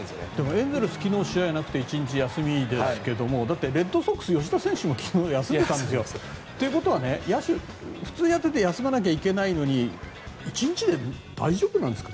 エンゼルス昨日試合がなくて１日ですけどレッドソックスの吉田選手も昨日休んでたんですよということは普通やってて休まなきゃいけないのに１日で大丈夫なんですか